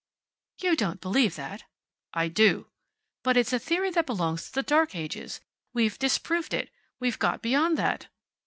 "You don't believe that." "I do." "But it's a theory that belongs to the Dark Ages. We've disproved it. We've got beyond that."